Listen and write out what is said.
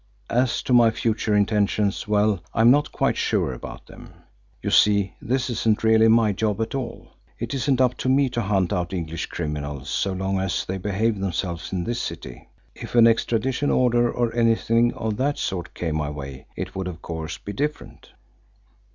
As to my future intentions, well, I am not quite sure about them. You see, this isn't really my job at all. It isn't up to me to hunt out English criminals, so long as they behave themselves in this city. If an extradition order or anything of that sort came my way, it would, of course, be different."